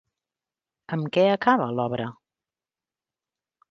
Amb què acaba l'obra?